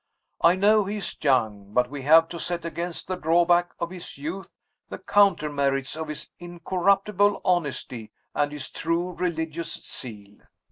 I know he is young but we have to set against the drawback of his youth, the counter merits of his incorruptible honesty and his true religious zeal.